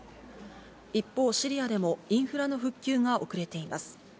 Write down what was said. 一方、シリアでもインフラの復旧が遅れています。